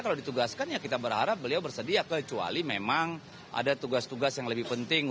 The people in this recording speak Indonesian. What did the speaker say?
kalau ditugaskan ya kita berharap beliau bersedia kecuali memang ada tugas tugas yang lebih penting